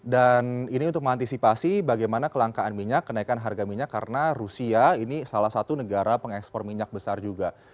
dan ini untuk mengantisipasi bagaimana kelangkaan minyak kenaikan harga minyak karena rusia ini salah satu negara pengekspor minyak besar juga